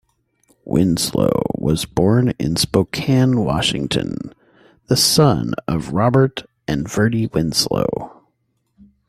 Winslow was born in Spokane, Washington, the son of Robert and Verdie Winslow.